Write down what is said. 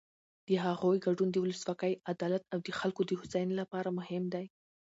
د هغوی ګډون د ولسواکۍ، عدالت او د خلکو د هوساینې لپاره مهم دی.